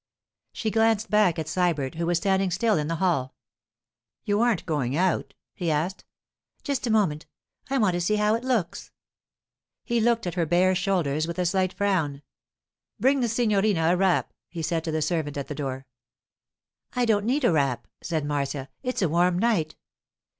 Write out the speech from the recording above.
She glanced back at Sybert, who was standing still in the hall. 'You aren't going out?' he asked. 'Just a moment. I want to see how it looks.' He looked at her bare shoulders with a slight frown. 'Bring the signorina a wrap,' he said to the servant at the door. 'I don't need a wrap,' said Marcia; 'it's a warm night.